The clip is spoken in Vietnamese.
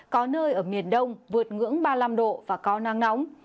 có nơi ở miền đông vượt ngưỡng ba mươi năm độ và có nắng nóng